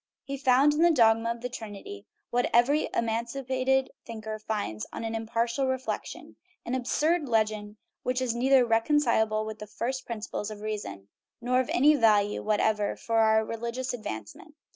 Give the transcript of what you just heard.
He found in the dogma of the Trinity what every emancipated thinker finds on impartial reflection an absurd legend which is neither reconcilable with the first principles of reason nor of any value whatever for our religious advance ment.